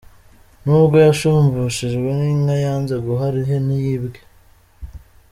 Nubwo yashumbushijwe inka yanze guhara ihene yibwe.